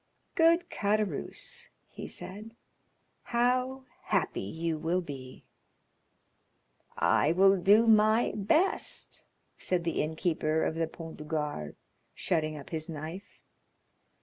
"Good Caderousse," he said, "how happy you will be." "I will do my best," said the innkeeper of the Pont du Gard, shutting up his knife.